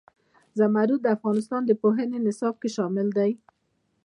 زمرد د افغانستان د پوهنې نصاب کې شامل دي.